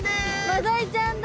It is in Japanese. マダイちゃんだ！